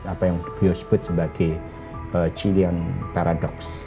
apa yang di sebut sebagai chilean paradox